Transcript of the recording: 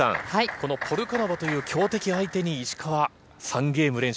このポルカノバという強敵相手に石川、３ゲーム連取。